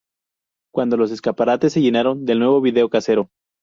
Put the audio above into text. cuando los escaparates se llenaron del nuevo video casero